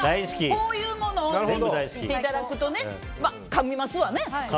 こういうものを上にのせていただくとねかみますわね。